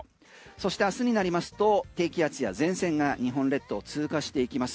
そして明日になりますと低気圧や前線が日本列島を通過していきます。